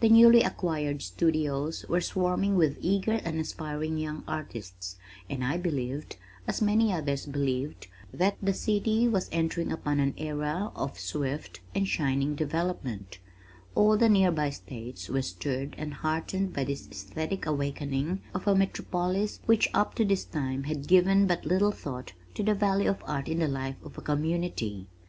The newly acquired studios were swarming with eager and aspiring young artists, and I believed, (as many others believed) that the city was entering upon an era of swift and shining development. All the near by states were stirred and heartened by this esthetic awakening of a metropolis which up to this time had given but little thought to the value of art in the life of a community.